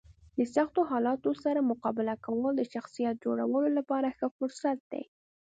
د سختو حالاتو سره مقابله کول د شخصیت جوړولو لپاره ښه فرصت دی.